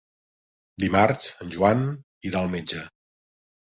Dimarts en Joan irà al metge.